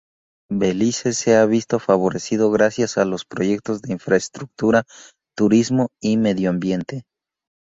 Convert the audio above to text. Belice se ha visto favorecido gracias a los proyectos de infraestructura, turismo y medioambiente.